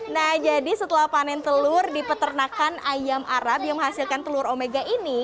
nah jadi setelah panen telur di peternakan ayam arab yang menghasilkan telur omega ini